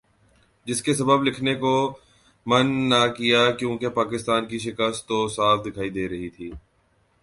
جس کے سبب لکھنے کو من نہ کیا کیونکہ پاکستان کی شکست تو صاف دکھائی دے رہی تھی ۔